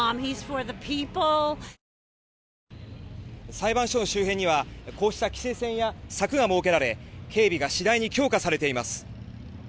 裁判所周辺にはこうした規制線や柵が設けられ警備が次第に強化されています。